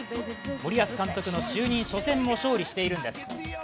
森保監督の就任初戦にも勝利しているんです。